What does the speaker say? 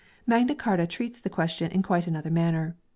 Magna Carta treats the question in quite another manner.